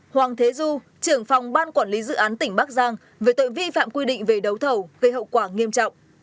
hoàng thế du trưởng phòng ban quản lý dự án tỉnh bắc giang về tội vi phạm quy định về đấu thầu gây hậu quả nghiêm trọng